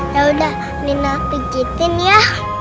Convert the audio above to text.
yaudah nino pijetin ya